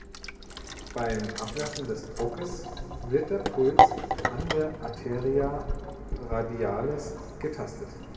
Beim Ablassen des Druckes wird der Puls an der Arteria radialis getastet.